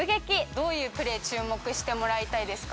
どういうプレー、注目してもらいたいですか。